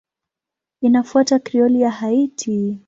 Inafuata Krioli ya Haiti.